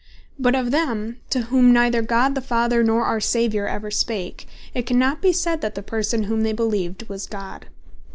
But of them, to whom neither God the Father, nor our Saviour ever spake, it cannot be said, that the Person whom they beleeved, was God.